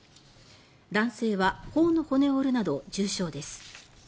男性は頬の骨を折るなど重傷です。